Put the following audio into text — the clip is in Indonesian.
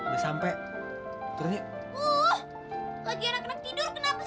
lagi anak anak tidur kenapa sih dibangunin